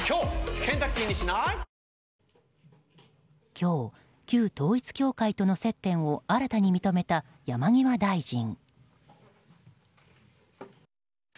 今日、旧統一教会との接点を新たに認めた山際大臣。